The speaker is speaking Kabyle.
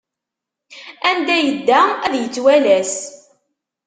Anda yedda ad yettwalas.